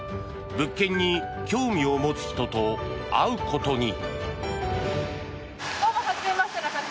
物件に興味を持つ人と会うことに。